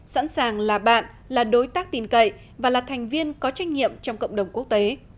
sẵn sàng là bạn là đối tác tin cậy và là thành viên có trách nhiệm trong cộng đồng quốc tế